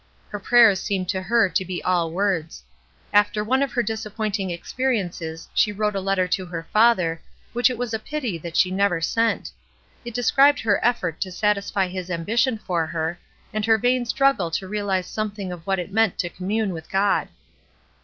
Her prayers seemed to her to be all words. After one of her disappointing experi ences she wrote a letter to her father, which it 136 ESTER RIED'S NAMESAKE was a pity that she never sent. It described her effort to satisfy his ambition for her, and her vain struggle to reaUze something of what it meant to commune with God.